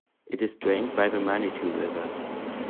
It is drained by the Manitou River.